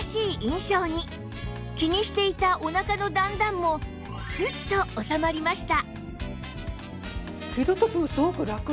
気にしていたお腹の段々もスッと収まりました